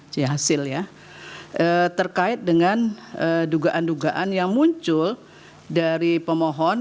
hasil ya terkait dengan dugaan dugaan yang muncul dari pemohon